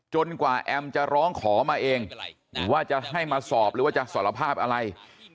กว่าแอมจะร้องขอมาเองว่าจะให้มาสอบหรือว่าจะสารภาพอะไร